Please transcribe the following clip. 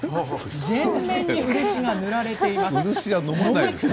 全面に漆が塗られています。